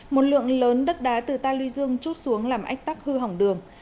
một lượng lớn đất đá từ ta lưu dương trút xuống làm ách tắc hư hỏng đường